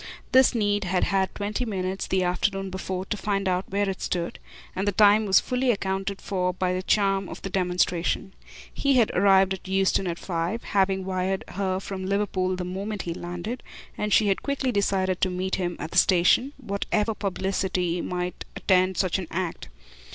This need had had twenty minutes, the afternoon before, to find out where it stood, and the time was fully accounted for by the charm of the demonstration. He had arrived at Euston at five, having wired her from Liverpool the moment he landed, and she had quickly decided to meet him at the station, whatever publicity might attend such an act.